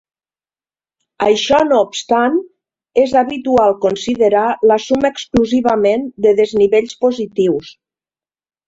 Això no obstant, és habitual considerar la suma exclusivament de desnivells positius.